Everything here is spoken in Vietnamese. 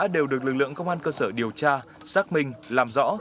đều được lực lượng công an cơ sở điều tra xác minh làm rõ